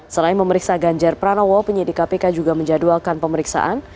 selain memeriksa ganjar pranowo penyidik kpk juga menjadwalkan pemeriksaan